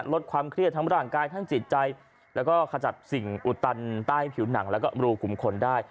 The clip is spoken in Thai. ลดความเครียดทั้งร่างกายทั้งจิตใจแล้วก็ขจัดสิ่งอุดตันใต้ผิวหนังแล้วก็รูขุมขนได้